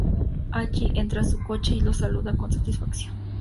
Ally entra en su coche y lo saluda con satisfacción.